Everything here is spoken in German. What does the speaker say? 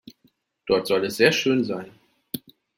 Dort soll es sehr schön sein.